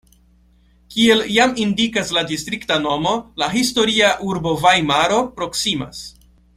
Kiel jam indikas la distrikta nomo, la historia urbo Vajmaro proksimas.